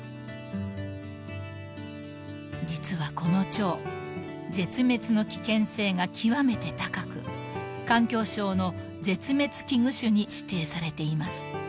［実はこのチョウ絶滅の危険性が極めて高く環境省の絶滅危惧種に指定されています］